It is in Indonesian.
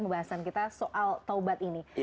pembahasan kita soal taubat ini